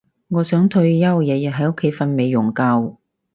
我想退休日日喺屋企瞓美容覺